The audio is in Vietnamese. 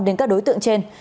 đến các đối tượng trên